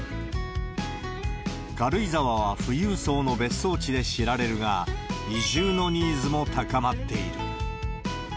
軽井沢は富裕層の別荘地で知られるが、移住のニーズも高まっている。